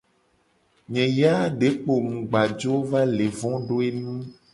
Nye ya de kpo mu gba jo va le vo do enu.